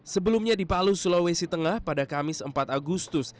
sebelumnya di palu sulawesi tengah pada kamis empat agustus